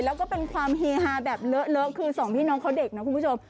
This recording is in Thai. แล้วก็เป็นความเฮฮาแบบเลอะคือสองพี่น้องเขาเด็กนะคุณผู้ชม